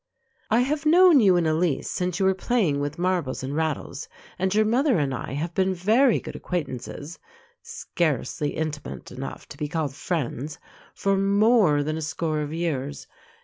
I have known you and Elise since you were playing with marbles and rattles, and your mother and I have been very good acquaintances (scarcely intimate enough to be called friends) for more than a score of years.